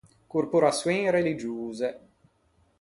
Corporaçioin religiose.